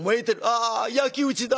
「あ焼き打ちだ。